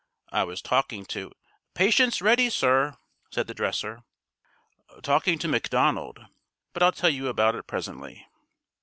I was talking to " "Patient's ready, sir," said the dresser. "Talking to McDonald but I'll tell you about it presently."